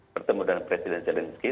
pertemu dengan presiden zelensky